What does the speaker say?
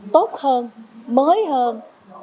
tốt hơn mới hơn